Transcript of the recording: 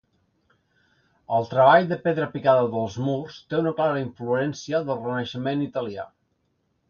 El treball de pedra picada dels murs té una clara influència del Renaixement italià.